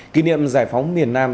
kỷ niệm giải phóng miền nam